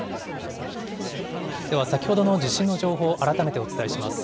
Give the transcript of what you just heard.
では、先ほどの地震の情報を改めてお伝えします。